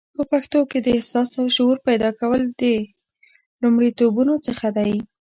په پښتنو کې د احساس او شعور پیدا کول د لومړیتوبونو څخه دی